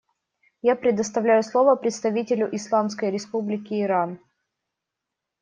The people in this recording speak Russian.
Я предоставляю слово представителю Исламской Республики Иран.